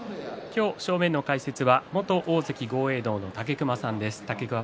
正面の解説は元大関豪栄道の武隈さんです。